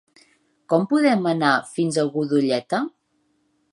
Com podem anar fins a Godelleta?